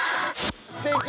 すてき！